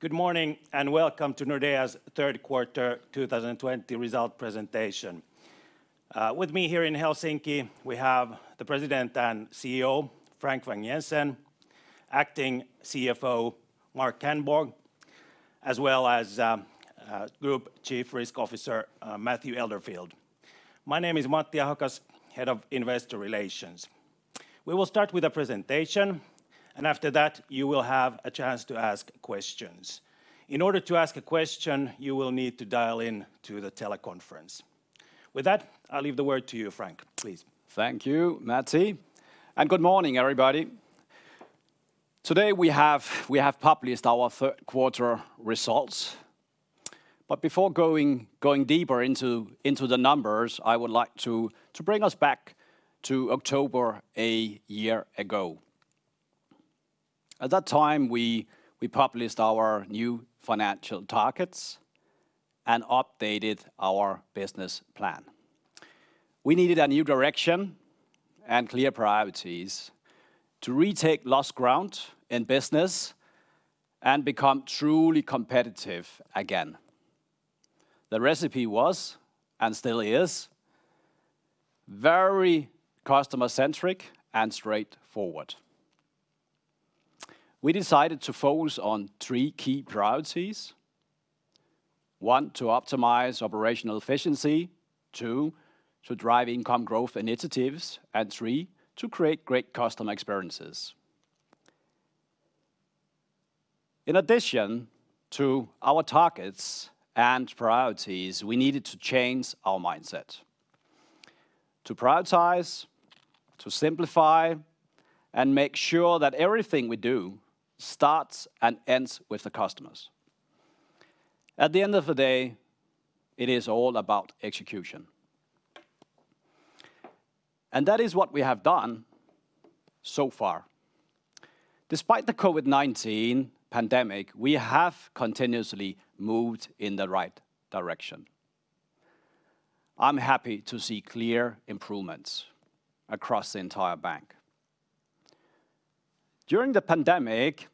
Good morning, and welcome to Nordea's third quarter 2020 result presentation. With me here in Helsinki, we have the President and CEO, Frank Vang-Jensen, Acting CFO, Mark Kandborg, as well as Group Chief Risk Officer Matthew Elderfield. My name is Matti Ahokas, Head of Investor Relations. We will start with a presentation. After that you will have a chance to ask questions. In order to ask a question, you will need to dial in to the teleconference. With that, I'll leave the word to you, Frank, please. Thank you, Matti. Good morning, everybody. Today, we have published our third quarter results. Before going deeper into the numbers, I would like to bring us back to October a year ago. At that time, we published our new financial targets and updated our business plan. We needed a new direction and clear priorities to retake lost ground in business and become truly competitive again. The recipe was, and still is, very customer-centric and straightforward. We decided to focus on three key priorities. One, to optimize operational efficiency. Two, to drive income growth initiatives, and three, to create great customer experiences. In addition to our targets and priorities, we needed to change our mindset. To prioritize, to simplify, and make sure that everything we do starts and ends with the customers. At the end of the day, it is all about execution. That is what we have done so far. Despite the COVID-19 pandemic, we have continuously moved in the right direction. I'm happy to see clear improvements across the entire bank. During the pandemic,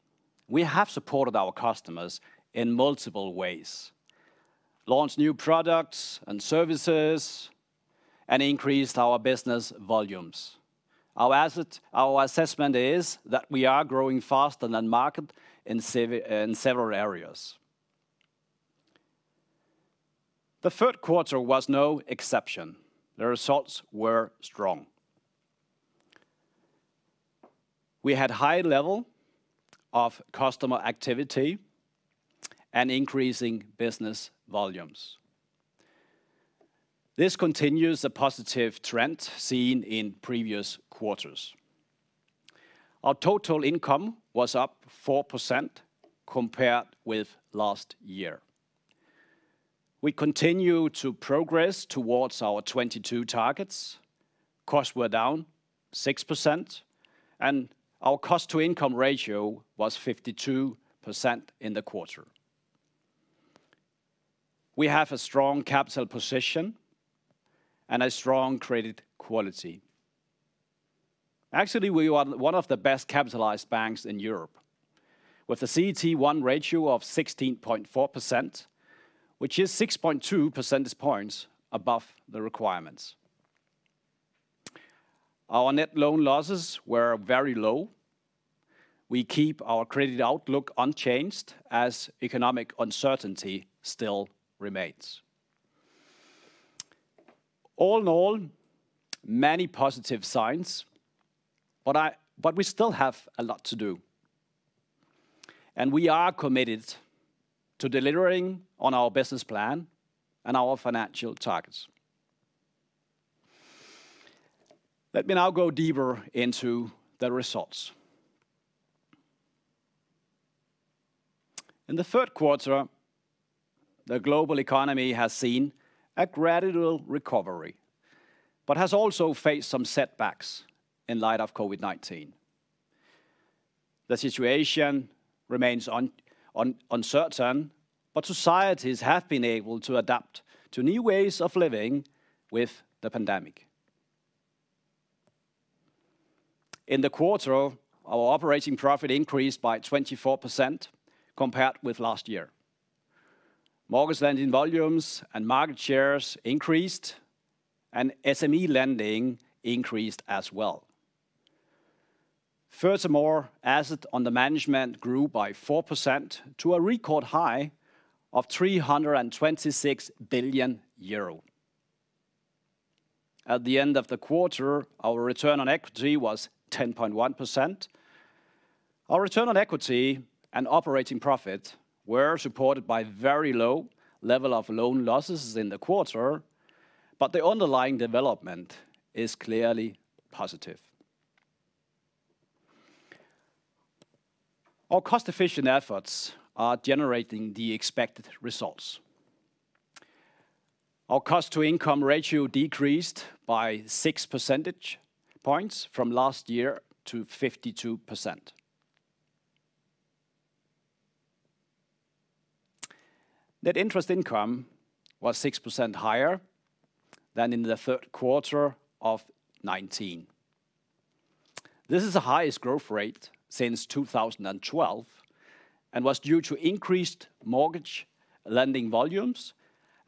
we have supported our customers in multiple ways, launched new products and services, and increased our business volumes. Our assessment is that we are growing faster than market in several areas. The third quarter was no exception. The results were strong. We had high level of customer activity and increasing business volumes. This continues a positive trend seen in previous quarters. Our total income was up 4% compared with last year. We continue to progress towards our 2022 targets. Costs were down 6%, and our cost-to-income ratio was 52% in the quarter. We have a strong capital position and a strong credit quality. Actually, we are one of the best capitalized banks in Europe, with a CET1 ratio of 16.4%, which is 6.2 percentage points above the requirements. Our net loan losses were very low. We keep our credit outlook unchanged, as economic uncertainty still remains. All in all, many positive signs, but we still have a lot to do. We are committed to delivering on our business plan and our financial targets. Let me now go deeper into the results. In the third quarter, the global economy has seen a gradual recovery, but has also faced some setbacks in light of COVID-19. The situation remains uncertain, but societies have been able to adapt to new ways of living with the pandemic. In the quarter, our operating profit increased by 24% compared with last year. Mortgage lending volumes and market shares increased, and SME lending increased as well. Furthermore, assets under management grew by 4% to a record high of 326 billion euro. At the end of the quarter, our return on equity was 10.1%. Our return on equity and operating profit were supported by very low level of loan losses in the quarter, but the underlying development is clearly positive. Our cost-efficient efforts are generating the expected results. Our cost-to-income ratio decreased by 6 percentage points from last year to 52%. Net interest income was 6% higher than in the third quarter of 2019. This is the highest growth rate since 2012, and was due to increased mortgage lending volumes,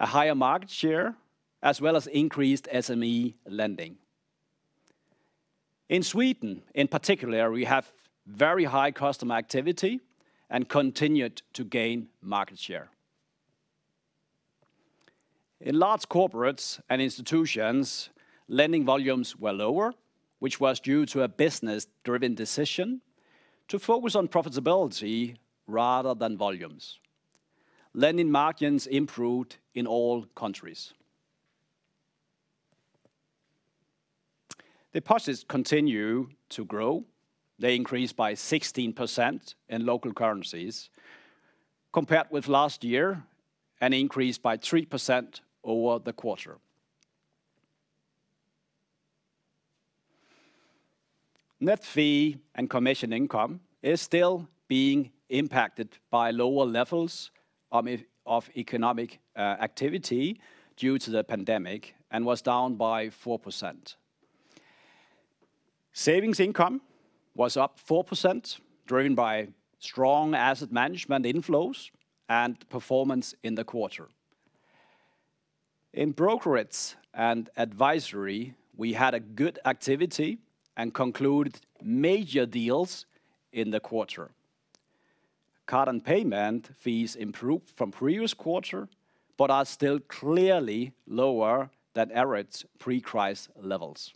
a higher market share, as well as increased SME lending. In Sweden, in particular, we have very high customer activity and continued to gain market share. In Large Corporates & Institutions, lending volumes were lower, which was due to a business-driven decision to focus on profitability rather than volumes. Lending margins improved in all countries. Deposits continue to grow. They increased by 16% in local currencies compared with last year, and increased by 3% over the quarter. Net fee and commission income is still being impacted by lower levels of economic activity due to the pandemic, and was down by 4%. Savings income was up 4%, driven by strong asset management inflows and performance in the quarter. In brokerages and advisory, we had a good activity and concluded major deals in the quarter. Card and payment fees improved from previous quarter, but are still clearly lower than average pre-crisis levels.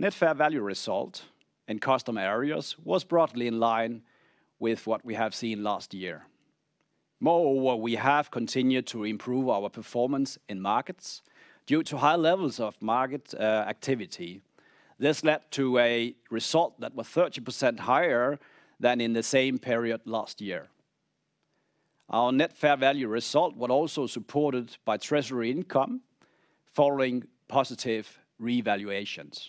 Net fair value result in customer areas was broadly in line with what we have seen last year. Moreover, we have continued to improve our performance in markets due to high levels of market activity. This led to a result that was 30% higher than in the same period last year. Our net fair value result was also supported by treasury income following positive revaluations.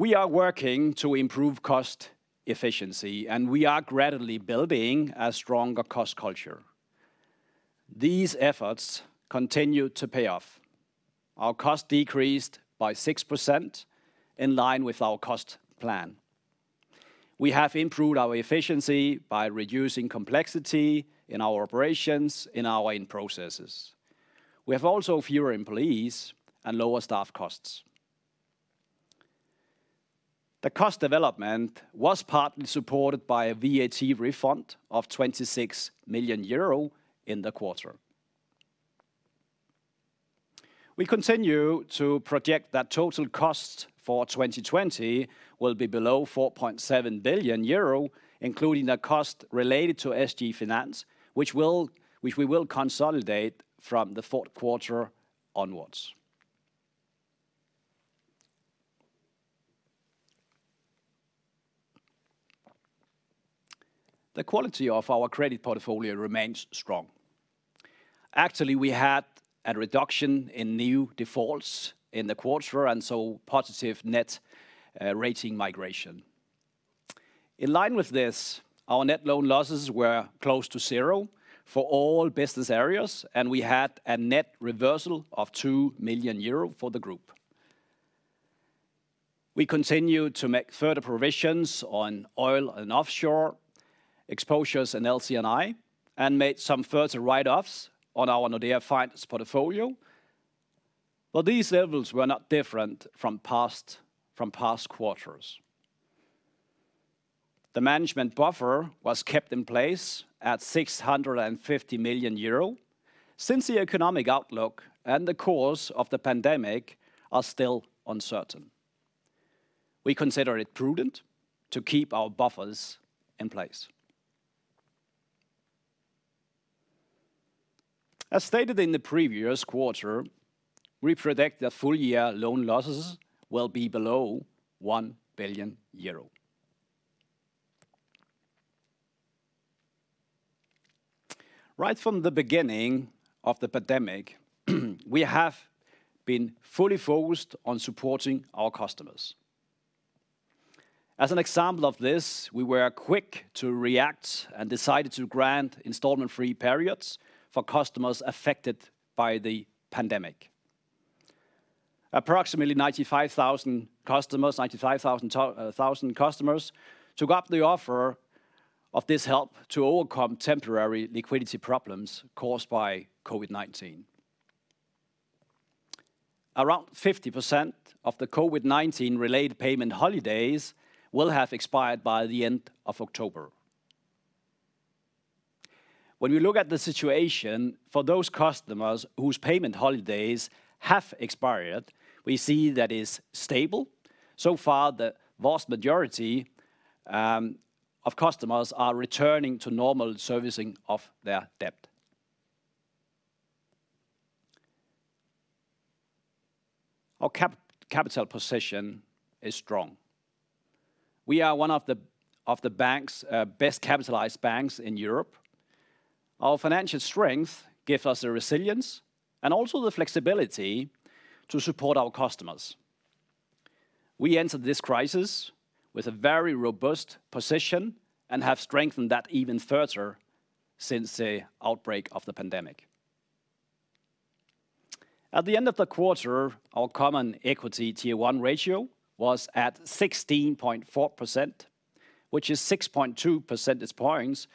We are working to improve cost efficiency, and we are gradually building a stronger cost culture. These efforts continue to pay off. Our cost decreased by 6%, in line with our cost plan. We have improved our efficiency by reducing complexity in our operations, in processes. We have also fewer employees and lower staff costs. The cost development was partly supported by a VAT refund of 26 million euro in the quarter. We continue to project that total cost for 2020 will be below 4.7 billion euro, including the cost related to SG Finans, which we will consolidate from the fourth quarter onwards. The quality of our credit portfolio remains strong. Actually, we had a reduction in new defaults in the quarter, and so positive net rating migration. In line with this, our net loan losses were close to zero for all business areas, and we had a net reversal of 2 million euro for the group. We continued to make further provisions on oil and offshore exposures in LC&I, and made some further write-offs on our Nordea Finance portfolio. These levels were not different from past quarters. The management buffer was kept in place at 650 million euro, since the economic outlook and the course of the pandemic are still uncertain. We consider it prudent to keep our buffers in place. As stated in the previous quarter, we predict that full-year loan losses will be below 1 billion euro. Right from the beginning of the pandemic, we have been fully focused on supporting our customers. As an example of this, we were quick to react and decided to grant installment-free periods for customers affected by the pandemic. Approximately 95,000 customers took up the offer of this help to overcome temporary liquidity problems caused by COVID-19. Around 50% of the COVID-19 related payment holidays will have expired by the end of October. When we look at the situation for those customers whose payment holidays have expired, we see that it is stable. So far, the vast majority of customers are returning to normal servicing of their debt. Our capital position is strong. We are one of the best capitalized banks in Europe. Our financial strength gives us the resilience and also the flexibility to support our customers. We entered this crisis with a very robust position and have strengthened that even further since the outbreak of the pandemic. At the end of the quarter, our Common Equity Tier 1 ratio was at 16.4%, which is 6.2 percentage points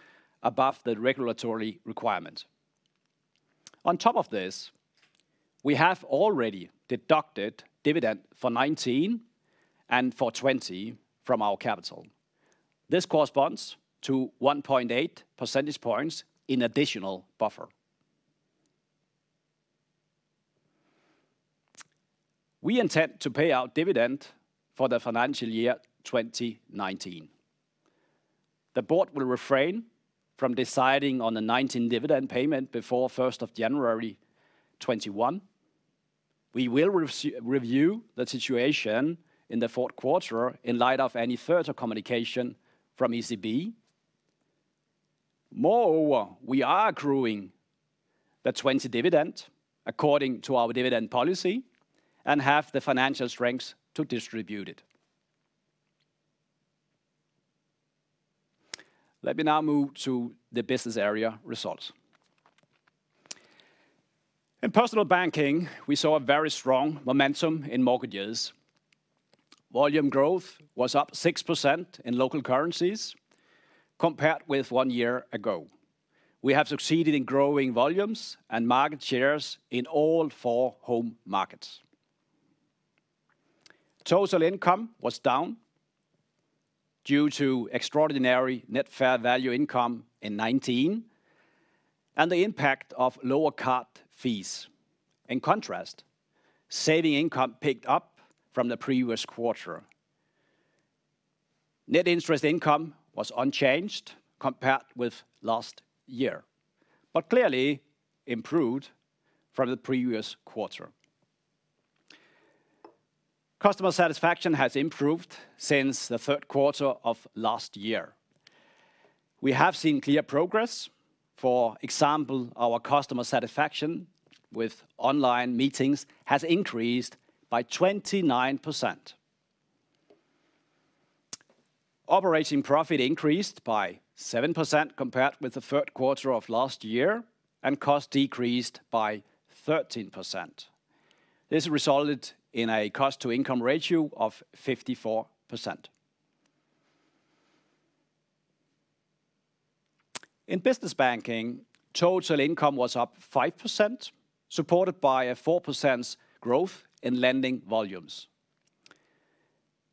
above the regulatory requirement. On top of this, we have already deducted dividend for 2019 and for 2020 from our capital. This corresponds to 1.8 percentage points in additional buffer. We intend to pay out dividend for the financial year 2019. The board will refrain from deciding on the 2019 dividend payment before 1st of January 2021. We will review the situation in the fourth quarter in light of any further communication from ECB. We are growing the 2020 dividend according to our dividend policy and have the financial strength to distribute it. Let me now move to the business area results. In personal banking, we saw a very strong momentum in mortgages. Volume growth was up 6% in local currencies compared with one year ago. We have succeeded in growing volumes and market shares in all four home markets. Total income was down due to extraordinary net fair value income in 2019 and the impact of lower card fees. In contrast, saving income picked up from the previous quarter. Net interest income was unchanged compared with last year, but clearly improved from the previous quarter. Customer satisfaction has improved since the third quarter of last year. We have seen clear progress. For example, our customer satisfaction with online meetings has increased by 29%. Operating profit increased by 7% compared with the third quarter of last year, and cost decreased by 13%. This resulted in a cost-to-income ratio of 54%. In business banking, total income was up 5%, supported by a 4% growth in lending volumes.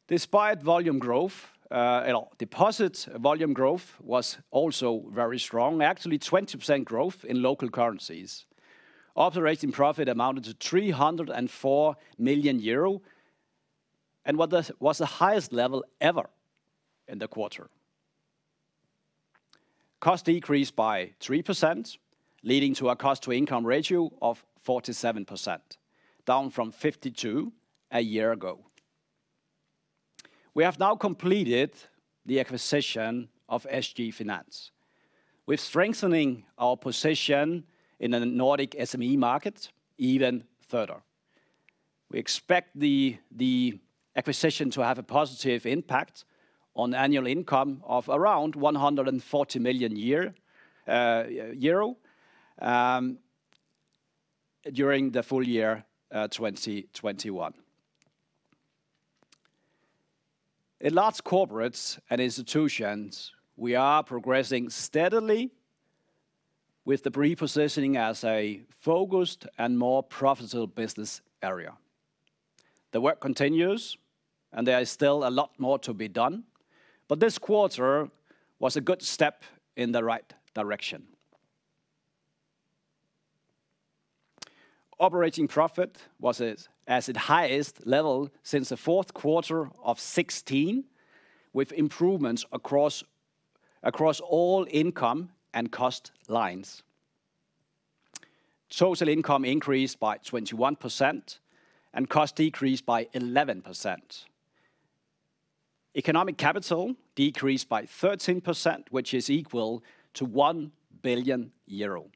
Deposit volume growth was also very strong, actually 20% growth in local currencies. Operating profit amounted to 304 million euro and was the highest level ever in the quarter. Cost decreased by 3%, leading to a cost-to-income ratio of 47%, down from 52% a year ago. We have now completed the acquisition of SG Finans. We're strengthening our position in the Nordic SME market even further. We expect the acquisition to have a positive impact on annual income of around 140 million during the full year 2021. In Large Corporates & Institutions, we are progressing steadily with the repositioning as a focused and more profitable business area. The work continues, and there is still a lot more to be done, but this quarter was a good step in the right direction. Operating profit was at its highest level since the fourth quarter of 2016, with improvements across all income and cost lines. Total income increased by 21%, cost decreased by 11%. Economic capital decreased by 13%, which is equal to 1 billion euro.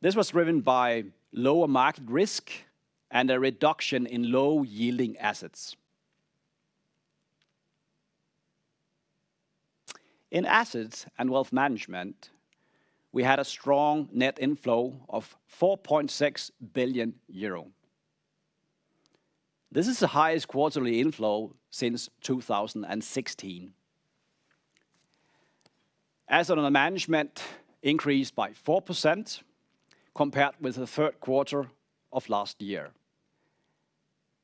This was driven by lower market risk and a reduction in low-yielding assets. In assets and wealth management, we had a strong net inflow of 4.6 billion euro. This is the highest quarterly inflow since 2016. Assets under management increased by 4% compared with the third quarter of last year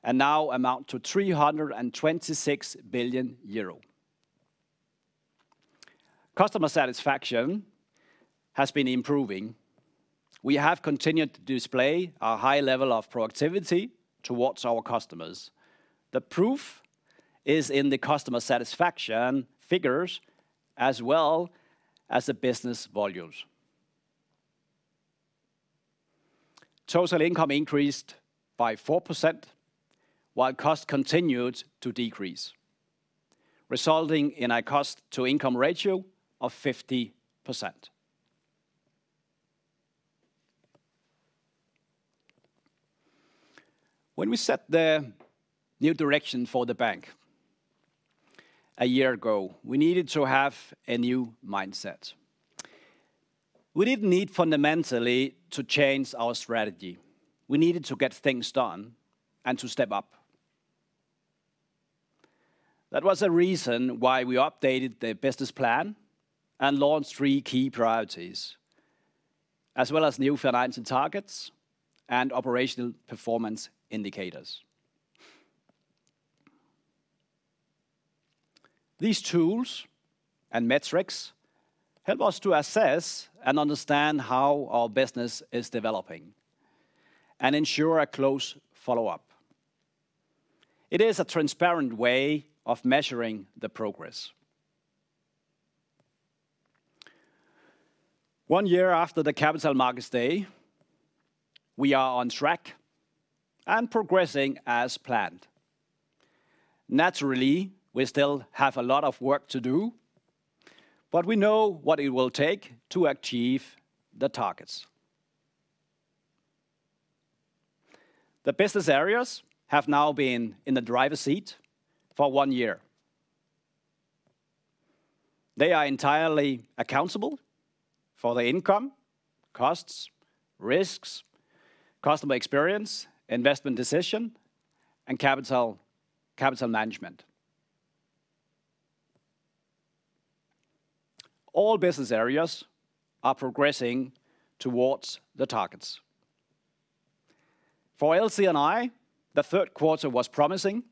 and now amount to 326 billion euro. Customer satisfaction has been improving. We have continued to display a high level of productivity towards our customers. The proof is in the customer satisfaction figures as well as the business volumes. Total income increased by 4%, while costs continued to decrease, resulting in a cost-to-income ratio of 50%. When we set the new direction for the bank one year ago, we needed to have a new mindset. We didn't need fundamentally to change our strategy. We needed to get things done and to step up. That was a reason why we updated the business plan and launched three key priorities, as well as new financial targets and operational performance indicators. These tools and metrics help us to assess and understand how our business is developing and ensure a close follow-up. It is a transparent way of measuring the progress. One year after the Capital Markets Day, we are on track and progressing as planned. Naturally, we still have a lot of work to do, but we know what it will take to achieve the targets. The business areas have now been in the driver's seat for one year. They are entirely accountable for the income, costs, risks, customer experience, investment decision, and capital management. All business areas are progressing towards the targets. For LC&I, the third quarter was promising,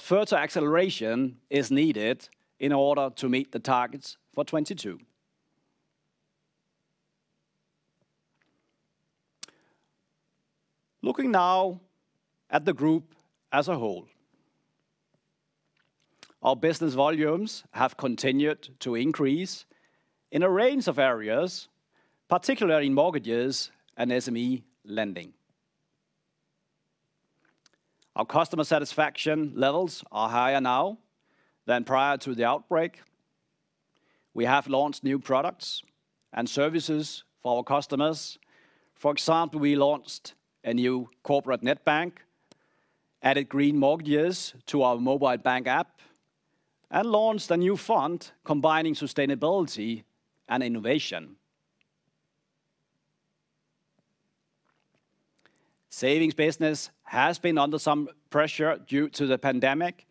further acceleration is needed in order to meet the targets for 2022. Looking now at the group as a whole, our business volumes have continued to increase in a range of areas, particularly in mortgages and SME lending. Our customer satisfaction levels are higher now than prior to the outbreak. We have launched new products and services for our customers. For example, we launched a new corporate net bank, added green mortgages to our mobile bank app, and launched a new fund combining sustainability and innovation. Savings business has been under some pressure due to the pandemic,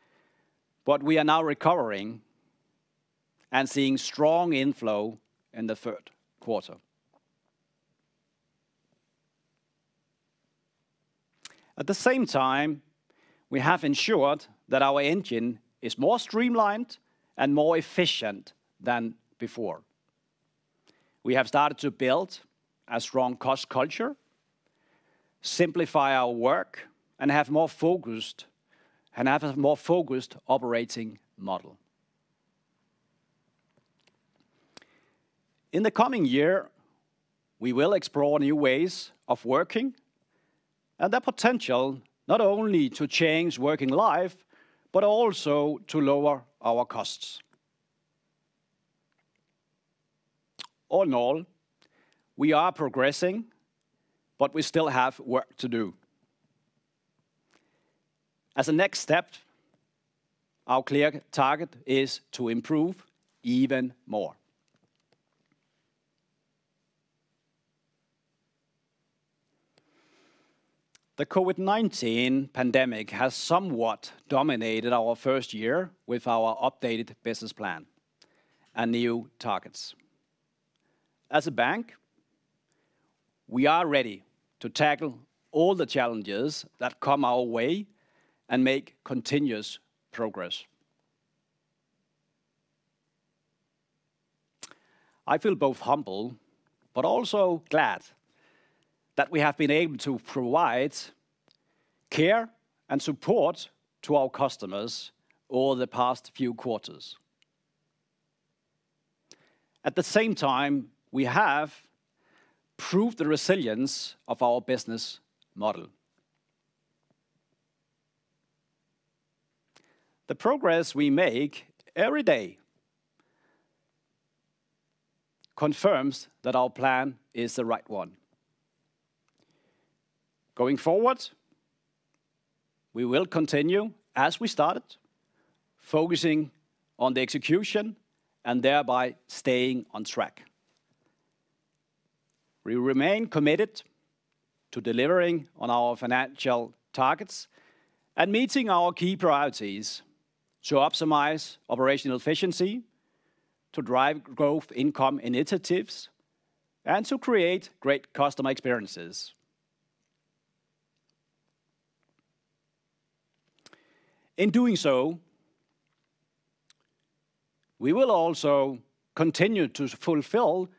we are now recovering and seeing strong inflow in the third quarter. At the same time, we have ensured that our engine is more streamlined and more efficient than before. We have started to build a strong cost culture, simplify our work, and have a more focused operating model. In the coming year, we will explore new ways of working and the potential not only to change working life, but also to lower our costs. All in all, we are progressing, but we still have work to do. As a next step, our clear target is to improve even more. The COVID-19 pandemic has somewhat dominated our first year with our updated business plan and new targets. As a bank, we are ready to tackle all the challenges that come our way and make continuous progress. I feel both humble, but also glad that we have been able to provide care and support to our customers over the past few quarters. At the same time, we have proved the resilience of our business model. The progress we make every day confirms that our plan is the right one. Going forward, we will continue as we started, focusing on the execution and thereby staying on track. We remain committed to delivering on our financial targets and meeting our key priorities to optimize operational efficiency, to drive growth income initiatives, and to create great customer experiences. In doing so, we will also continue to fulfill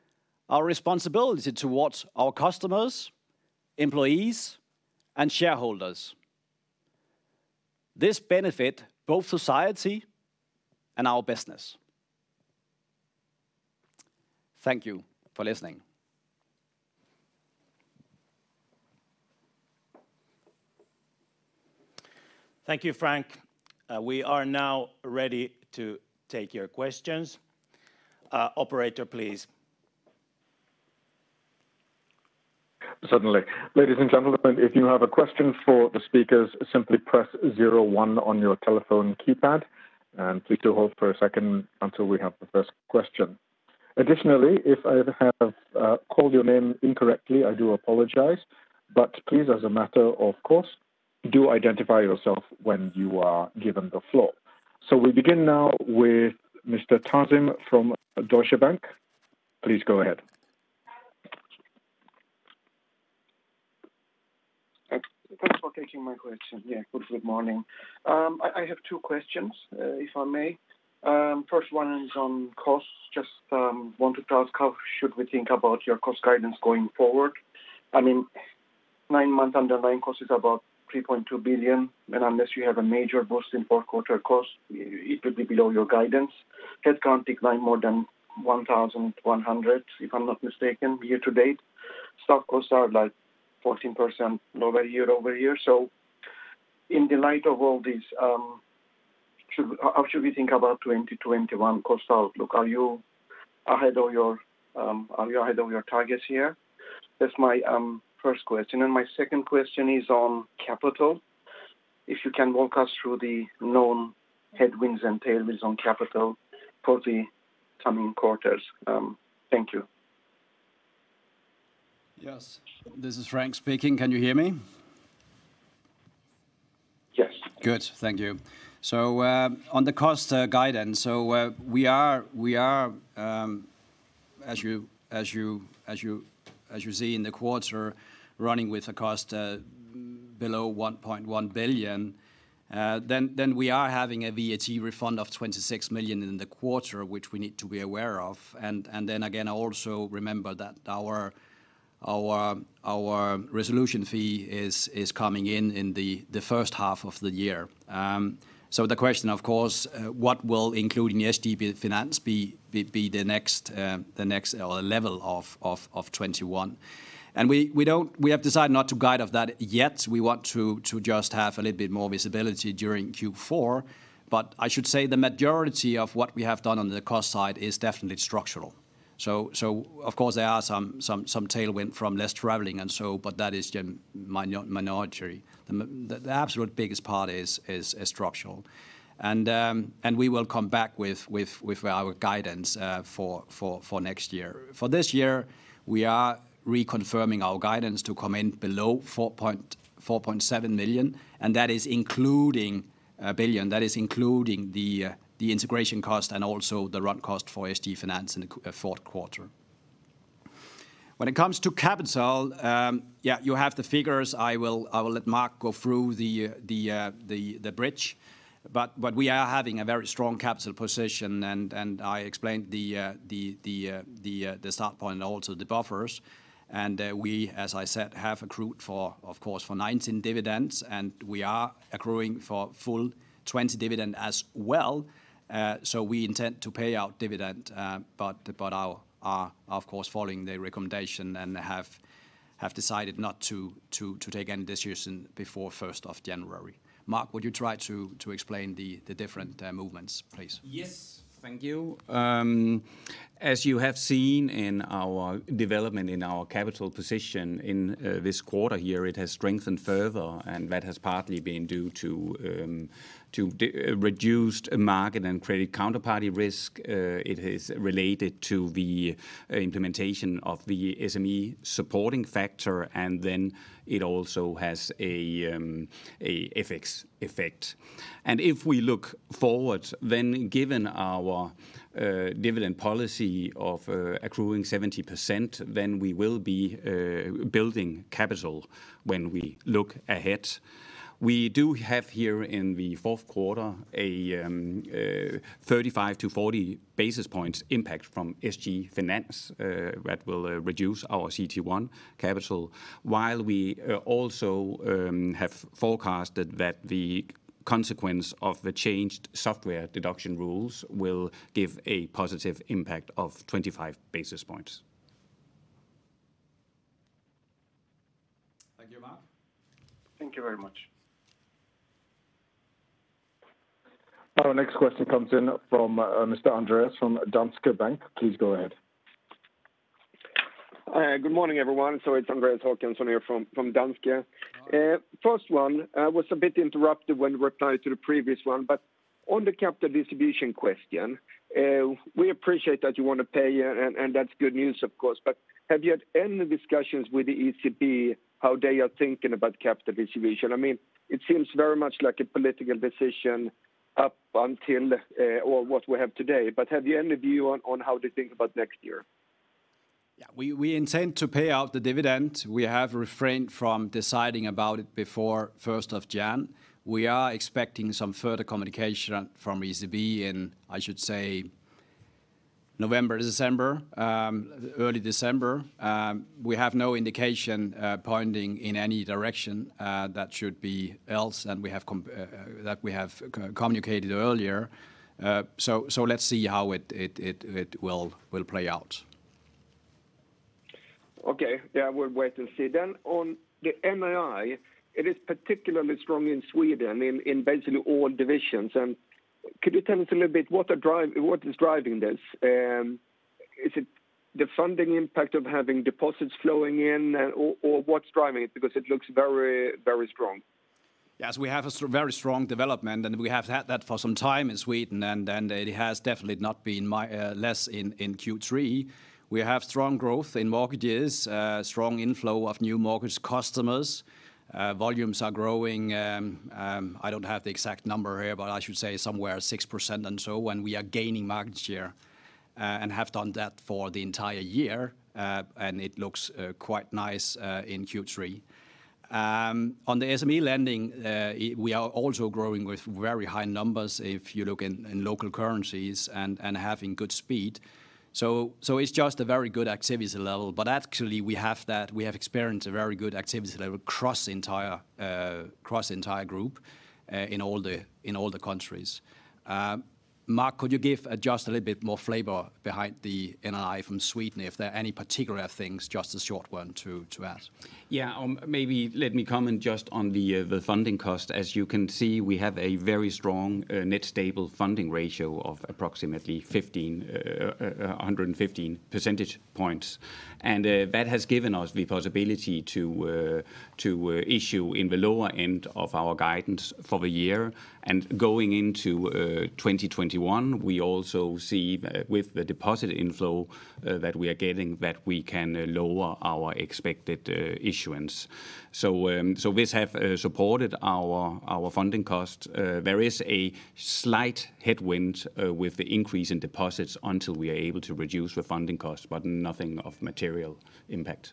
our responsibility towards our customers, employees, and shareholders. This benefit both society and our business. Thank you for listening. Thank you, Frank. We are now ready to take your questions. Operator, please. Certainly. Ladies and gentlemen, if you have a question for the speakers, simply press zero one on your telephone keypad, and please do hold for a second until we have the first question. Additionally, if I have called your name incorrectly, I do apologize, but please, as a matter of course, do identify yourself when you are given the floor. So we begin now with Mr. Tarzim from Deutsche Bank. Please go ahead. Thanks for taking my question. Good morning. I have two questions, if I may. First one is on costs. How should we think about your cost guidance going forward? Nine months underlying cost is about 3.2 billion, unless you have a major boost in fourth quarter cost, it will be below your guidance. Headcount declined more than 1,100, if I'm not mistaken, year-to-date. Stock costs are 14% lower year-over-year. In the light of all this, how should we think about 2021 cost outlook? Are you ahead of your targets here? That's my first question. My second question is on capital. If you can walk us through the known headwinds and tailwinds on capital for the coming quarters. Thank you. Yes. This is Frank speaking. Can you hear me? Yes. Good. Thank you. On the cost guidance, we are, as you see in the quarter, running with a cost below 1.1 billion. We are having a VAT refund of 26 million in the quarter, which we need to be aware of. Remember that our resolution fee is coming in the first half of the year. The question, of course, what will including SG Finans be the next level of 2021? We have decided not to guide of that yet. We want to just have a little bit more visibility during Q4. I should say the majority of what we have done on the cost side is definitely structural. Of course, there are some tailwind from less traveling and so, but that is the minority. The absolute biggest part is structural. We will come back with our guidance for next year. For this year, we are reconfirming our guidance to come in below 4.7 billion. That is including the integration cost and also the run cost for SG Finans in the fourth quarter. When it comes to capital, you have the figures. I will let Mark go through the bridge. We are having a very strong capital position, and I explained the start point and also the buffers. We, as I said, have accrued for 2019 dividends, and we are accruing for full 2020 dividend as well. We intend to pay out dividend, but are of course following the recommendation and have decided not to take any decision before 1st of January. Mark, would you try to explain the different movements, please? Yes. Thank you. As you have seen in our development in our capital position in this quarter here, it has strengthened further, and that has partly been due to reduced market and credit counterparty risk. It is related to the implementation of the SME supporting factor, and then it also has an FX effect. If we look forward, then given our dividend policy of accruing 70%, then we will be building capital when we look ahead. We do have here in the fourth quarter a 35-40 basis points impact from SG Finans that will reduce our CET1 capital, while we also have forecasted that the consequence of the changed software deduction rules will give a positive impact of 25 basis points. Thank you, Mark. Thank you very much. Our next question comes in from Mr. Andreas from Danske Bank. Please go ahead. Good morning, everyone. It's Andreas Håkansson here from Danske. Hi. First one, I was a bit interrupted when replying to the previous one. On the capital distribution question, we appreciate that you want to pay and that's good news, of course. Have you had any discussions with the ECB how they are thinking about capital distribution? It seems very much like a political decision up until what we have today. Have you any view on how they think about next year? Yeah. We intend to pay out the dividend. We have refrained from deciding about it before 1st of January. We are expecting some further communication from ECB in, I should say, November, December, early December. We have no indication pointing in any direction that should be else than that we have communicated earlier. Let's see how it will play out. Okay. Yeah, we'll wait and see then. On the NII, it is particularly strong in Sweden, in basically all divisions. Could you tell us a little bit what is driving this? Is it the funding impact of having deposits flowing in, or what's driving it? It looks very strong. Yes, we have a very strong development and we have had that for some time in Sweden, and it has definitely not been less in Q3. We have strong growth in mortgages, strong inflow of new mortgage customers. Volumes are growing. I don't have the exact number here, but I should say somewhere 6% and so when we are gaining market share, and have done that for the entire year. It looks quite nice in Q3. On the SME lending, we are also growing with very high numbers if you look in local currencies and having good speed. It's just a very good activity level. Actually we have experienced a very good activity level across the entire group, in all the countries. Mark, could you give just a little bit more flavor behind the NII from Sweden, if there are any particular things, just a short one to add. Yeah, maybe let me comment just on the funding cost. As you can see, we have a very strong net stable funding ratio of approximately 115 percentage points. That has given us the possibility to issue in the lower end of our guidance for the year. Going into 2021, we also see with the deposit inflow that we are getting, that we can lower our expected issuance. This have supported our funding cost. There is a slight headwind with the increase in deposits until we are able to reduce the funding cost, but nothing of material impact.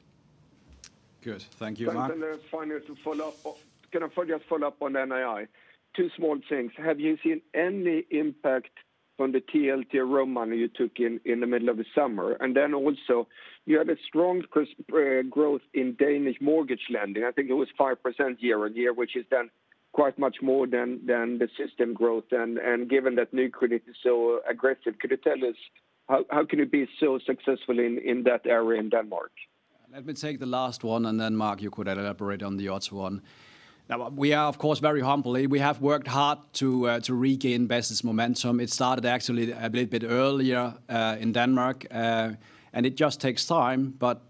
Good. Thank you, Mark. Finally, to follow up on NII, two small things. Have you seen any impact from the TLTRO money you took in the middle of the summer? Also you had a strong growth in Danish mortgage lending. I think it was 5% year-on-year, which is then quite much more than the system growth. Given that Nykredit is so aggressive, could you tell us how can you be so successful in that area in Denmark? Let me take the last one and then Mark, you could elaborate on the odds one. We are of course very humbly. We have worked hard to regain business momentum. It started actually a little bit earlier in Denmark. It just takes time, but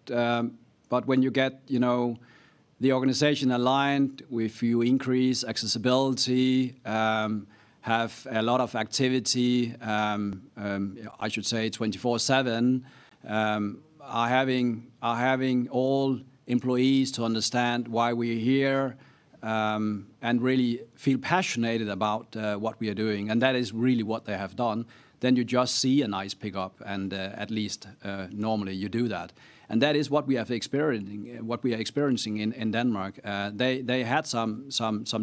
when you get the organization aligned with you increase accessibility, have a lot of activity, I should say 24/7. We are having all employees to understand why we are here, and really feel passionate about what we are doing, and that is really what they have done. You just see a nice pickup and at least normally you do that. That is what we are experiencing in Denmark. They had some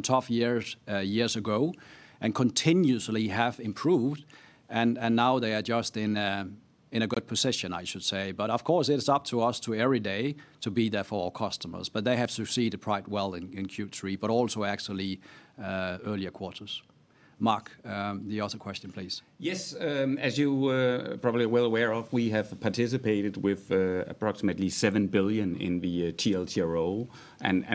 tough years ago and continuously have improved and now they are just in a good position, I should say. Of course, it is up to us every day to be there for our customers, but they have succeeded quite well in Q3, but also actually earlier quarters. Mark, the other question, please. Yes. As you are probably well aware of, we have participated with approximately 7 billion in the TLTRO.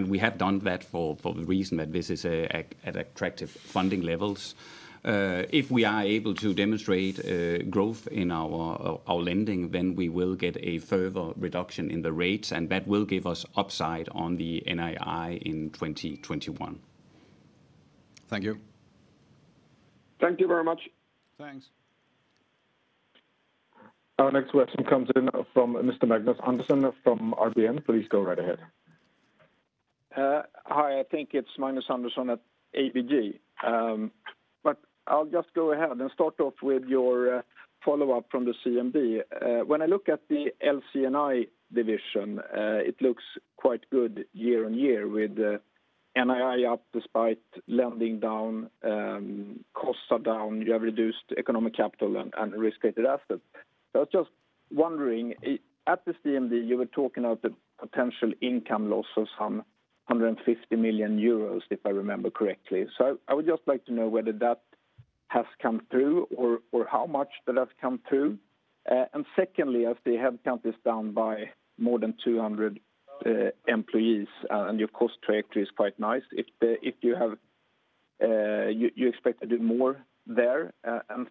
We have done that for the reason that this is at attractive funding levels. If we are able to demonstrate growth in our lending, then we will get a further reduction in the rates, and that will give us upside on the NII in 2021. Thank you. Thank you very much. Thanks. Our next question comes in from Mr. Magnus Andersson from ABG. Please go right ahead. Hi. Magnus Andersson at ABG. I'll just go ahead and start off with your follow-up from the CMD. When I look at the LC&I division, it looks quite good year-on-year with NII up despite lending down, costs are down, you have reduced economic capital and risk-weighted assets. At the CMD, you were talking about the potential income loss of some 150 million euros, if I remember correctly. I would just like to know whether that has come through or how much that has come through. Secondly, as the headcount is down by more than 200 employees and your cost trajectory is quite nice, if you expect to do more there.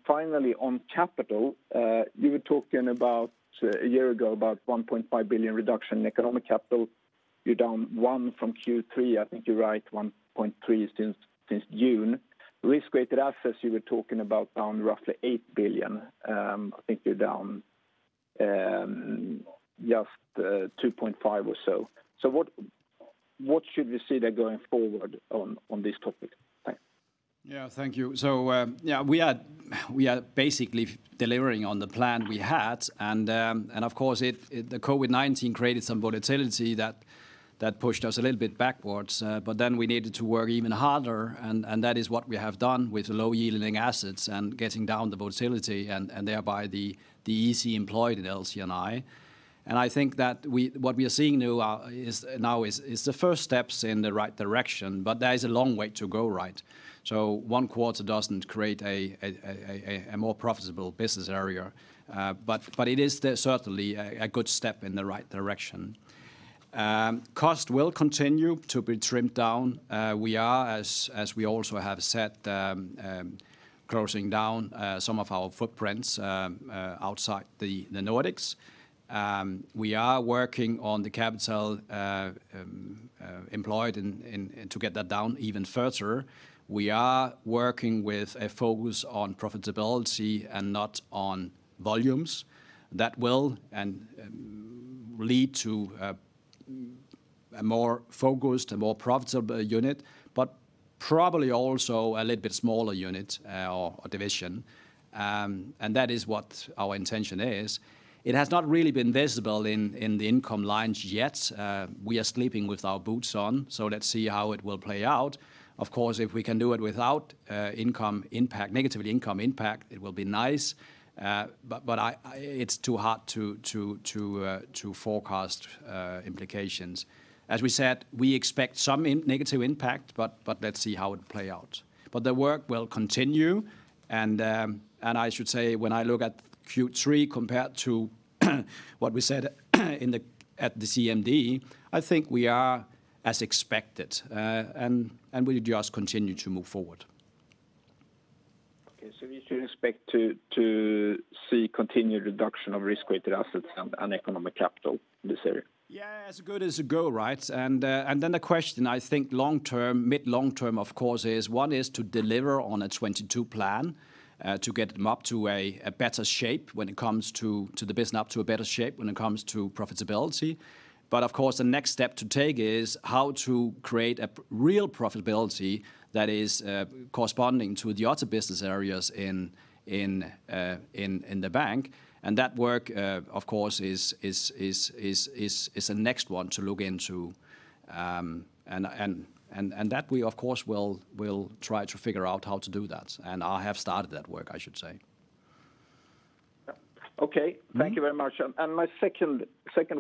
Finally, on capital, you were talking about a year ago about 1.5 billion reduction in economic capital. You're down one from Q3, I think you're right, 1.3 billion since June. Risk-weighted assets you were talking about down roughly 8 billion. I think you're down just 2.5 billion or so. What should we see there going forward on this topic? Thanks. Yeah, thank you. We are basically delivering on the plan we had, and of course, the COVID-19 created some volatility that pushed us a little bit backwards. We needed to work even harder, and that is what we have done with low-yielding assets and getting down the volatility, and thereby the EC employed in LC&I. I think that what we are seeing now is the first steps in the right direction, but there is a long way to go. One quarter doesn't create a more profitable business area. It is certainly a good step in the right direction. Cost will continue to be trimmed down. We are, as we also have said, closing down some of our footprints outside the Nordics. We are working on the capital employed and to get that down even further. We are working with a focus on profitability and not on volumes that will lead to a more focused and more profitable unit, but probably also a little bit smaller unit or division. That is what our intention is. It has not really been visible in the income lines yet. We are sleeping with our boots on, so let's see how it will play out. Of course, if we can do it without negative income impact, it will be nice. It's too hard to forecast implications. As we said, we expect some negative impact, but let's see how it play out. The work will continue, and I should say when I look at Q3 compared to what we said at the CMD, I think we are as expected, and we just continue to move forward. Okay. We should expect to see continued reduction of risk-weighted assets and economic capital in this area. Yeah. As good as it goes, right? The question I think mid, long-term, of course, one is to deliver on a 2022 plan, to get the business up to a better shape when it comes to profitability. Of course, the next step to take is how to create a real profitability that is corresponding to the other business areas in the bank, and that work, of course, is the next one to look into. That we of course will try to figure out how to do that. I have started that work, I should say. Yep. Okay. Thank you very much. My second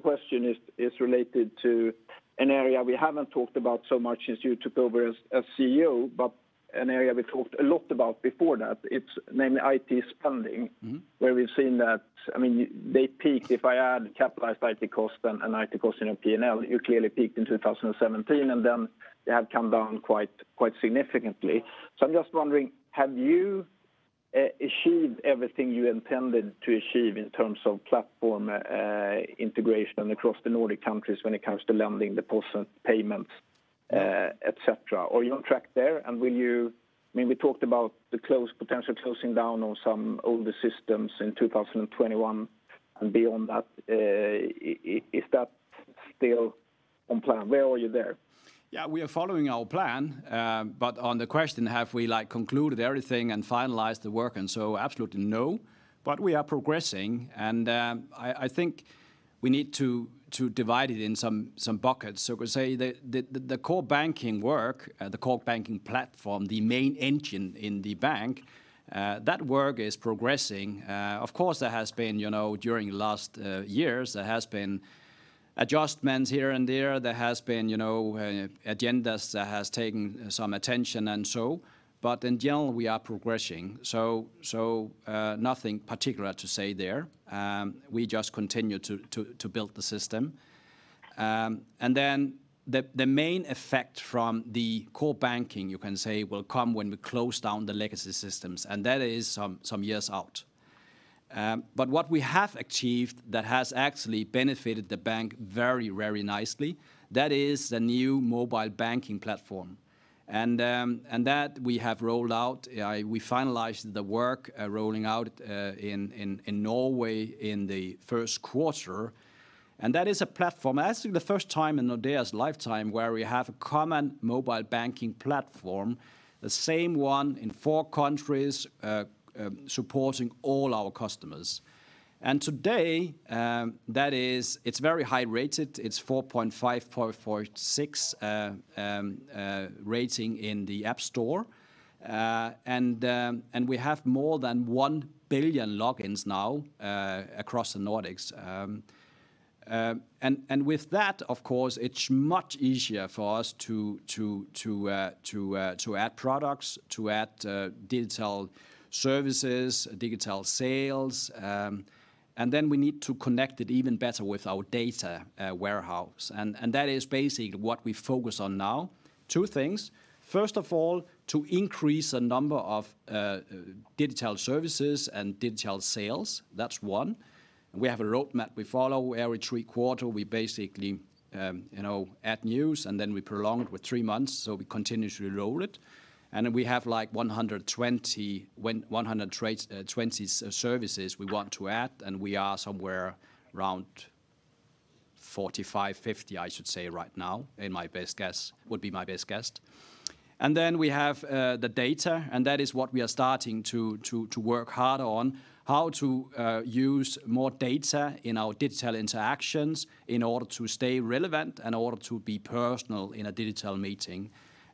question is related to an area we haven't talked about so much since you took over as CEO, but an area we talked a lot about before that. It's namely IT spending, where we've seen that they peaked, if I add capitalized IT cost and IT cost in P&L, you clearly peaked in 2017, and then they have come down quite significantly. I'm just wondering, have you achieved everything you intended to achieve in terms of platform integration across the Nordic countries when it comes to lending, deposit, payments, et cetera? Are you on track there? We talked about the potential closing down on some older systems in 2021 and beyond that. Is that still on plan? Where are you there? Yeah, we are following our plan. On the question, have we concluded everything and finalized the work and so, absolutely no, but we are progressing. I think we need to divide it in some buckets. We say that the core banking work, the core banking platform, the main engine in the bank, that work is progressing. Of course, during last years, there has been adjustments here and there. There has been agendas that has taken some attention and so, but in general, we are progressing. Nothing particular to say there. We just continue to build the system. The main effect from the core banking, you can say, will come when we close down the legacy systems, and that is some years out. What we have achieved that has actually benefited the bank very nicely, that is the new mobile banking platform. That we have rolled out. We finalized the work rolling out in Norway in the first quarter. That is a platform, actually the first time in Nordea's lifetime, where we have a common mobile banking platform, the same one in four countries, supporting all our customers. Today, it's very high rated. It's 4.5, 4.6 rating in the App Store. We have more than 1 billion logins now across the Nordics. With that, of course, it's much easier for us to add products, to add digital services, digital sales. Then we need to connect it even better with our data warehouse. That is basically what we focus on now. Two things. First of all, to increase the number of digital services and digital sales. That's one. We have a roadmap we follow. Every three quarter, we basically add news, and then we prolong it with three months, so we continuously roll it. Then we have 120 services we want to add, and we are somewhere around 45, 50, I should say right now, would be my best guess. Then we have the data, and that is what we are starting to work hard on, how to use more data in our digital interactions in order to stay relevant, in order to be personal in a digital meeting.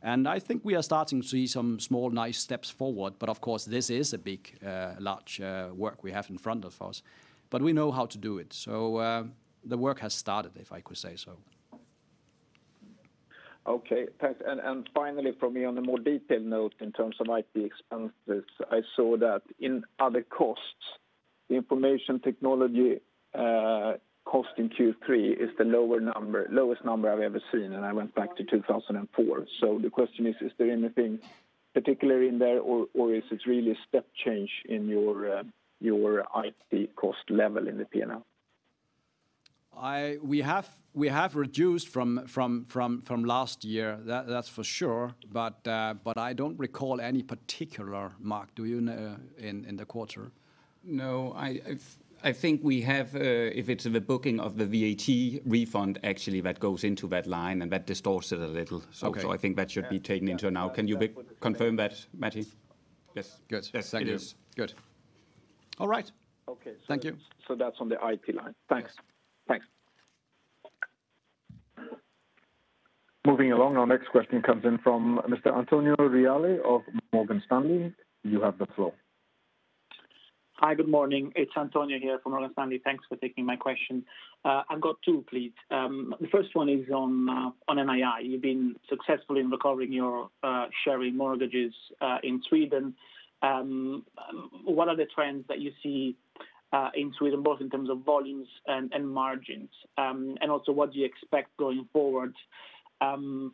I think we are starting to see some small, nice steps forward. Of course, this is a large work we have in front of us. We know how to do it. The work has started, if I could say so. Okay, thanks. Finally, from me on a more detailed note in terms of IT expenses, I saw that in other costs, the information technology cost in Q3 is the lowest number I've ever seen, and I went back to 2004. The question is there anything particular in there, or is this really a step change in your IT cost level in the P&L? We have reduced from last year, that's for sure. I don't recall any particular, Mark, do you know, in the quarter? I think we have, if it's the booking of the VAT refund actually that goes into that line, and that distorts it a little. Okay. I think that should be taken into now. Can you confirm that, Matti? Yes. Good. Thank you. Yes, it is. Good. All right. Okay. Thank you. That's on the IT line. Thanks. Moving along, our next question comes in from Mr. Antonio Reale of Morgan Stanley. You have the floor. Hi, good morning. It's Antonio here from Morgan Stanley. Thanks for taking my question. I've got two, please. The first one is on NII. You've been successful in recovering your sharing mortgages in Sweden. What are the trends that you see in Sweden, both in terms of volumes and margins? Also what do you expect going forward on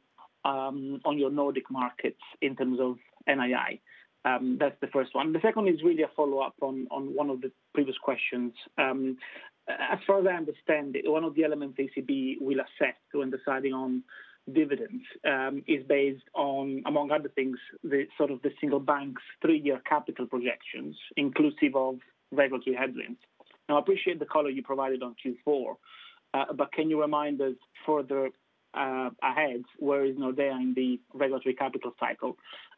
your Nordic markets in terms of NII? That's the first one. The second is really a follow-up on one of the previous questions. As far as I understand, one of the elements ECB will assess when deciding on dividends is based on, among other things, the single bank's three-year capital projections inclusive of regulatory headwinds. I appreciate the color you provided on Q4, but can you remind us further ahead where is Nordea in the regulatory capital cycle,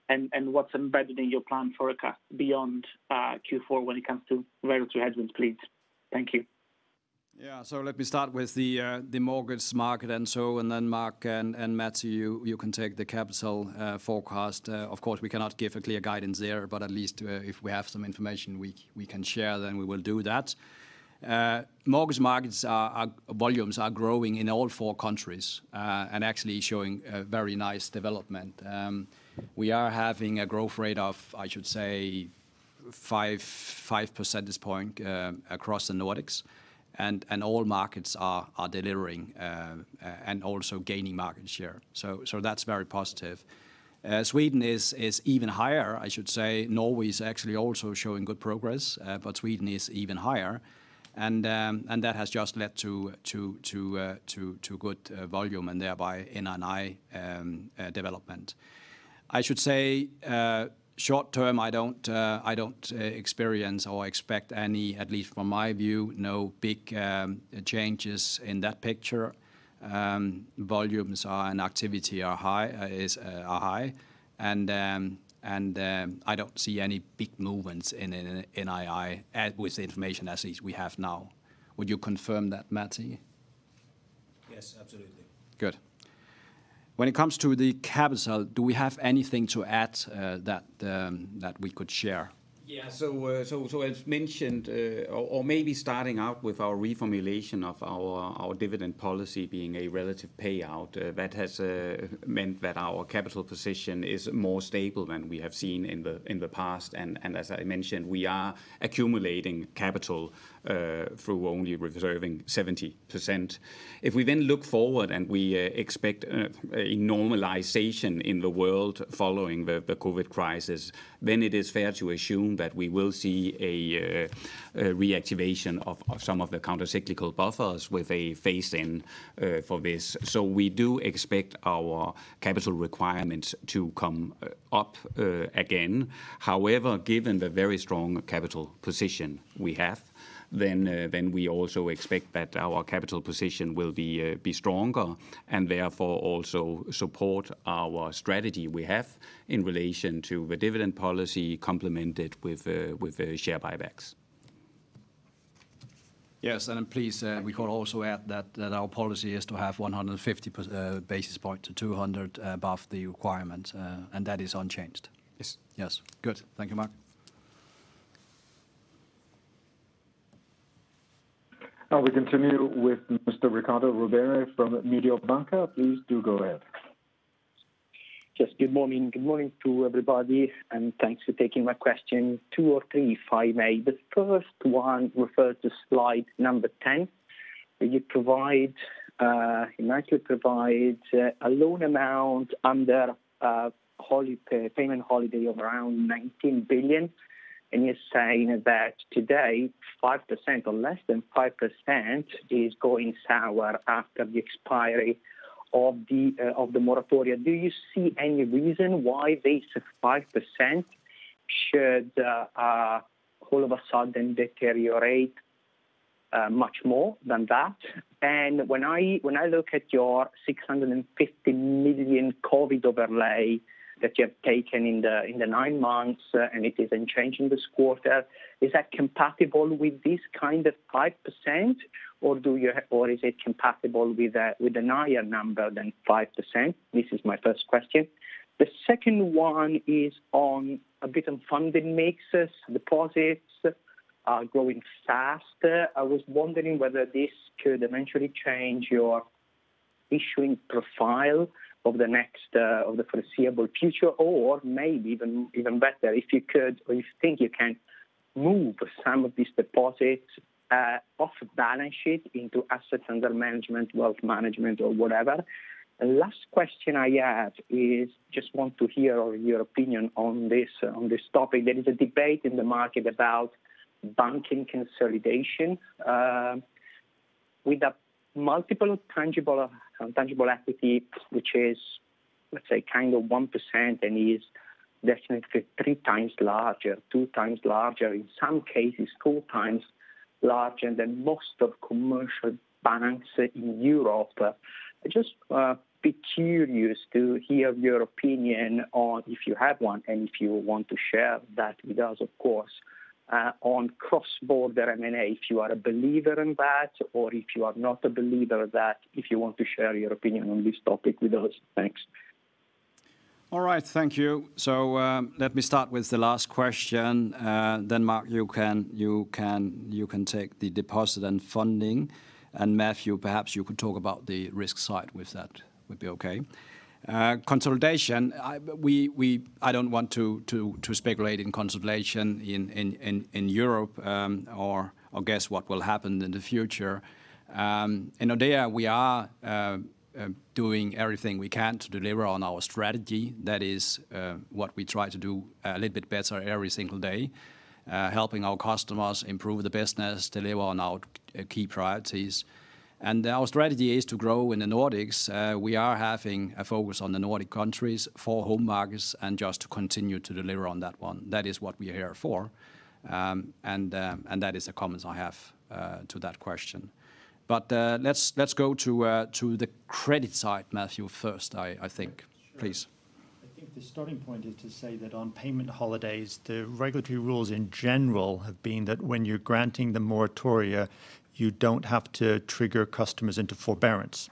and what's embedded in your plan forecast beyond Q4 when it comes to regulatory headwinds, please? Thank you. Yeah. Let me start with the mortgage market. Mark and Matti, you can take the capital forecast. Of course, we cannot give a clear guidance there, but at least if we have some information we can share, then we will do that. Mortgage markets volumes are growing in all four countries, actually showing a very nice development. We are having a growth rate of, I should say, 5% this point across the Nordics, all markets are delivering and also gaining market share. That's very positive. Sweden is even higher, I should say. Norway's actually also showing good progress, Sweden is even higher. That has just led to good volume and thereby NII development. I should say, short term, I don't experience or expect any, at least from my view, no big changes in that picture. Volumes and activity are high, and I don't see any big movements in NII with the information as is we have now. Would you confirm that, Matti? Yes, absolutely. Good. When it comes to the capital, do we have anything to add that we could share? Yeah. As mentioned, or maybe starting out with our reformulation of our dividend policy being a relative payout, that has meant that our capital position is more stable than we have seen in the past. As I mentioned, we are accumulating capital through only reserving 70%. If we then look forward and we expect a normalization in the world following the COVID-19 crisis, it is fair to assume that we will see a reactivation of some of the countercyclical buffers with a phase-in for this. We do expect our capital requirements to come up again. However, given the very strong capital position we have, we also expect that our capital position will be stronger, and therefore also support our strategy we have in relation to the dividend policy complemented with share buybacks. Yes, please, we could also add that our policy is to have 150 basis points to 200 above the requirement. That is unchanged. Yes. Yes. Good. Thank you, Mark. Now we continue with Mr. Riccardo Rovere from Mediobanca. Please do go ahead. Just good morning. Good morning to everybody. Thanks for taking my question. Two or three, if I may. The first one refers to slide 10, where you provide a loan amount under payment holiday of around 19 billion. You are saying that today, 5% or less than 5% is going sour after the expiry of the moratoria. Do you see any reason why this 5% should all of a sudden deteriorate much more than that? When I look at your 650 million COVID-19 overlay that you have taken in the nine months, and it is unchanged in this quarter, is that compatible with this kind of 5%, or is it compatible with a higher number than 5%? This is my first question. The second one is on a bit on funding mixes. Deposits are growing faster. I was wondering whether this could eventually change your issuing profile of the foreseeable future, or maybe even better, if you could, or you think you can move some of these deposits off balance sheet into assets under management, wealth management or whatever. Last question I have is, just want to hear your opinion on this topic. There is a debate in the market about banking consolidation. With the multiple tangible equity, which is, let's say kind of 1% and is definitely 3x larger, 2x larger in some cases, 4x larger than most of commercial banks in Europe. I'm just a bit curious to hear your opinion on, if you have one, and if you want to share that with us, of course, on cross-border M&A, if you are a believer in that, or if you are not a believer of that, if you want to share your opinion on this topic with us? Thanks. All right. Thank you. Let me start with the last question. Mark, you can take the deposit and funding, and Matthew, perhaps you could talk about the risk side with that, would be okay. Consolidation, I don't want to speculate in consolidation in Europe, or guess what will happen in the future. In Nordea we are doing everything we can to deliver on our strategy. That is, what we try to do a little bit better every single day. Helping our customers improve the business, deliver on our key priorities. Our strategy is to grow in the Nordics. We are having a focus on the Nordic countries for home markets and just to continue to deliver on that one. That is what we are here for. That is the comments I have to that question. Let's go to the credit side, Matthew, first, I think. Please. Sure. I think the starting point is to say that on payment holidays, the regulatory rules in general have been that when you're granting the moratoria, you don't have to trigger customers into forbearance.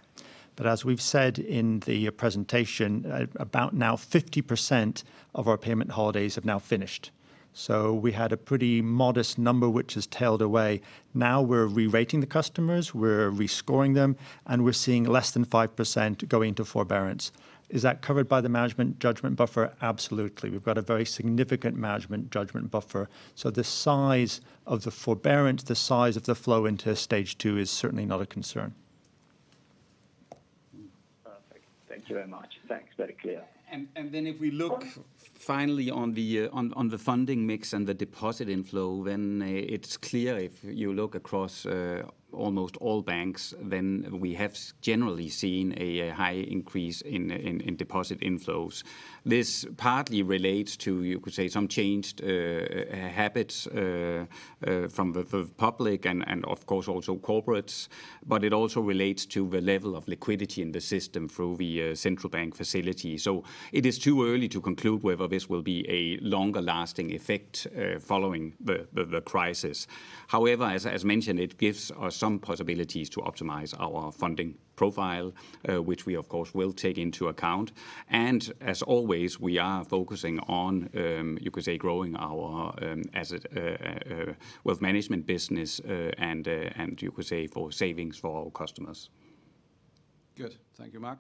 As we've said in the presentation, about now 50% of our payment holidays have now finished. We had a pretty modest number, which has tailed away. Now we're re-rating the customers, we're re-scoring them, and we're seeing less than 5% going into forbearance. Is that covered by the management judgment buffer? Absolutely. We've got a very significant management judgment buffer. The size of the forbearance, the size of the flow into stage two is certainly not a concern. Perfect. Thank you very much. Thanks. Very clear. If we look finally on the funding mix and the deposit inflow, then it's clear if you look across almost all banks, then we have generally seen a high increase in deposit inflows. This partly relates to, you could say, some changed habits from the public, and of course, also corporates, but it also relates to the level of liquidity in the system through the central bank facility. It is too early to conclude whether this will be a longer lasting effect following the crisis. However, as mentioned, it gives us some possibilities to optimize our funding profile, which we of course will take into account. As always, we are focusing on, you could say, growing our asset wealth management business, and you could say for savings for our customers. Good. Thank you, Mark.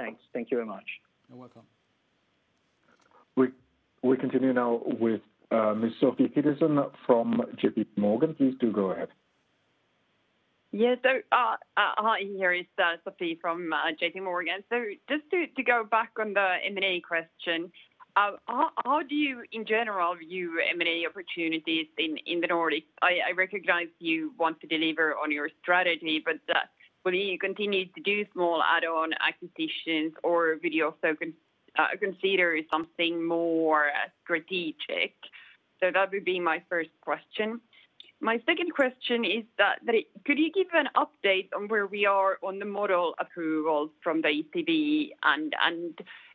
Thanks. Thank you very much. You're welcome. We continue now with Ms. Sofie Peterzens from JPMorgan. Please do go ahead. Yeah. Hi here is Sofie from JPMorgan. Just to go back on the M&A question, how do you in general view M&A opportunities in the Nordics? I recognize you want to deliver on your strategy, will you continue to do small add-on acquisitions or will you also consider something more strategic? That would be my first question. My second question is that, could you give an update on where we are on the model approvals from the ECB and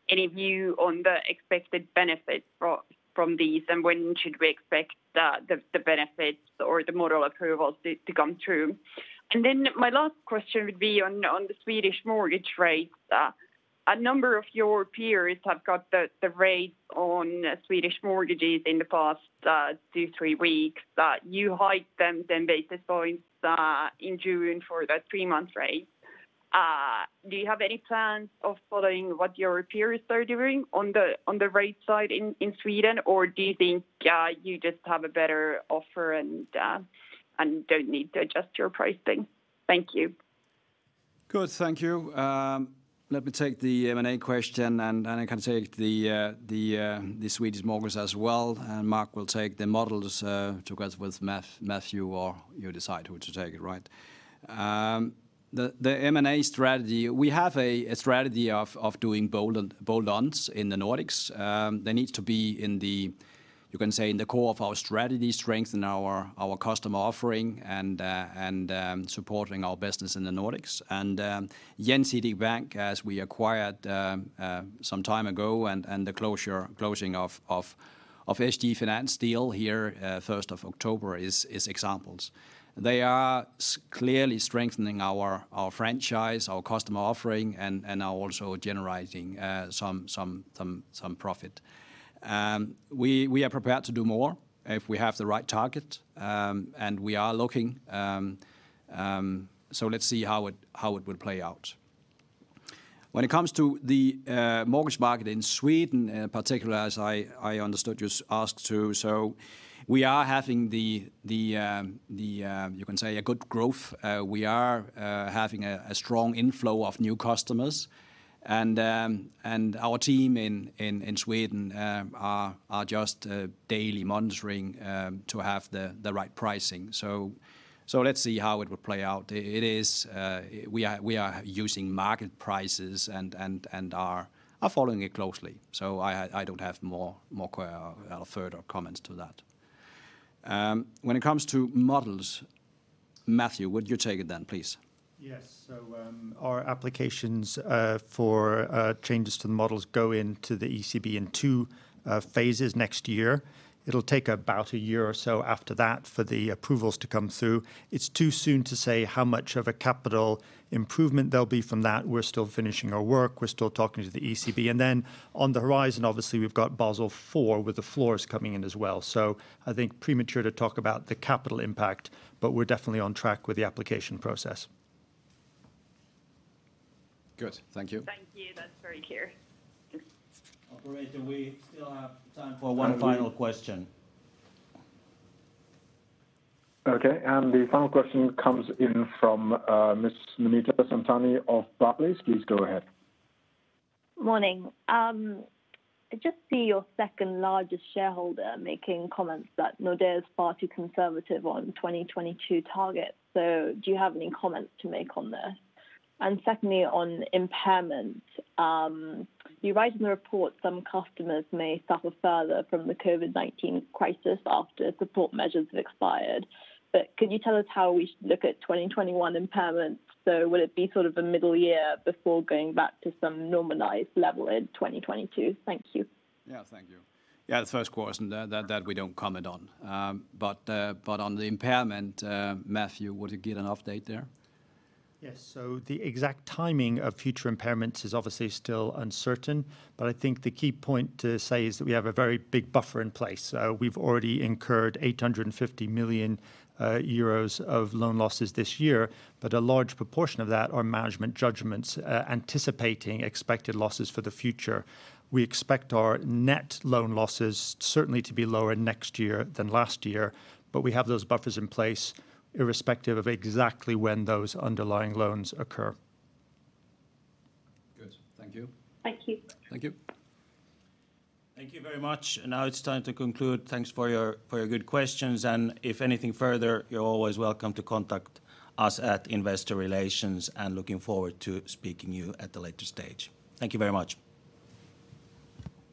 any view on the expected benefits from these and when should we expect the benefits or the model approvals to come through? My last question would be on the Swedish mortgage rates. A number of your peers have cut the rates on Swedish mortgages in the past two, three weeks. You hiked them 10 basis points in June for the three-month rate. Do you have any plans of following what your peers are doing on the rate side in Sweden, or do you think you just have a better offer and don't need to adjust your pricing? Thank you. Good, thank you. Let me take the M&A question and I can take the Swedish mortgage as well, and Mark will take the models, together with Matthew, or you decide who to take it, right? The M&A strategy, we have a strategy of doing bolt-ons in the Nordics. They need to be in the, you can say, in the core of our strategy, strengthen our customer offering and supporting our business in the Nordics. Gjensidige Bank, as we acquired some time ago and the closing of SG Finans deal here, 1st of October is examples. They are clearly strengthening our franchise, our customer offering, and are also generating some. Some profit. We are prepared to do more if we have the right target, and we are looking. Let's see how it will play out. When it comes to the mortgage market in Sweden, in particular, as I understood you asked too, we are having, you can say, a good growth. We are having a strong inflow of new customers, and our team in Sweden are just daily monitoring to have the right pricing. Let's see how it will play out. We are using market prices and are following it closely. I don't have more further comments to that. When it comes to models, Matthew, would you take it then, please? Yes. Our applications for changes to the models go into the ECB in two phases next year. It'll take about a year or so after that for the approvals to come through. It's too soon to say how much of a capital improvement there'll be from that. We're still finishing our work. We're still talking to the ECB. On the horizon, obviously, we've got Basel IV with the floors coming in as well. I think premature to talk about the capital impact, but we're definitely on track with the application process. Good. Thank you. Thank you. That's very clear. Operator, we still have time for one final question. Okay, the final question comes in from Ms. Namita Samtani of Barclays. Please go ahead. Morning. I just see your second largest shareholder making comments that Nordea is far too conservative on 2022 targets. Do you have any comments to make on this? Secondly, on impairment, you write in the report some customers may suffer further from the COVID-19 crisis after support measures have expired. Could you tell us how we should look at 2021 impairments? Will it be sort of a middle year before going back to some normalized level in 2022? Thank you. Thank you. The first question, that we don't comment on. On the impairment, Matthew, would you give an update there? Yes. The exact timing of future impairments is obviously still uncertain, but I think the key point to say is that we have a very big buffer in place. We've already incurred 850 million euros of loan losses this year, but a large proportion of that are management judgments anticipating expected losses for the future. We expect our net loan losses certainly to be lower next year than last year, but we have those buffers in place irrespective of exactly when those underlying loans occur. Good. Thank you. Thank you. Thank you. Thank you very much. Now it's time to conclude. Thanks for your good questions. If anything further, you're always welcome to contact us at Investor Relations. Looking forward to speaking to you at a later stage. Thank you very much.